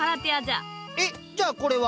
えっじゃあこれは？